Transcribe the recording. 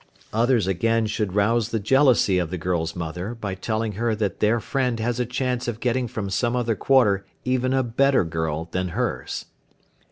Others again should rouse the jealousy of the girl's mother by telling her that their friend has a chance of getting from some other quarter even a better girl than hers.